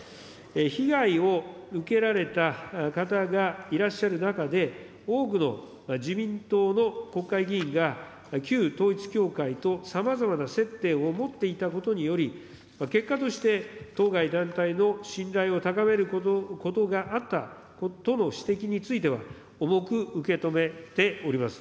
被害を受けられた方がいらっしゃる中で、多くの自民党の国会議員が、旧統一教会とさまざまな接点を持っていたことにより、結果として、当該団体の信頼を高めることがあったとの指摘については、重く受け止めております。